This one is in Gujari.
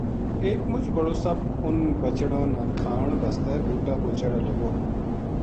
ایک مچ بڑو سپ اُنھ بچڑاں نا کھان بسطے بوٹا پو چڑھے لگو